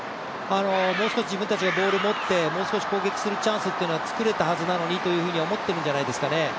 もう少し自分たちがボールを持って、もう少しチャンスを作れたはずなのにというふうに思ってるんじゃないですかね。